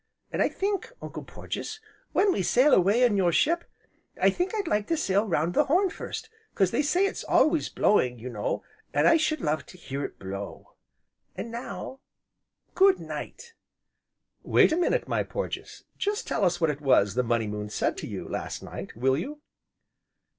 An' I think, Uncle Porges, when we sail away in your ship, I think, I'd like to sail round the Horn first 'cause they say it's always blowing, you know, and I should love to hear it blow. An' now Good night!" "Wait a minute, my Porges, just tell us what it was the Money Moon said to you, last night, will you?"